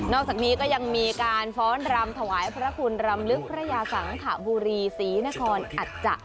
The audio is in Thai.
อกจากนี้ก็ยังมีการฟ้อนรำถวายพระคุณรำลึกพระยาสังขบุรีศรีนครอัจจะ